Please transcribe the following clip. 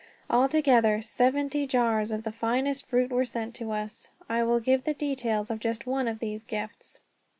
Altogether, seventy jars of the finest fruit were sent to us. I will give the details of just one of these gifts.